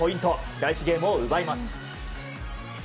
第１ゲームを奪います。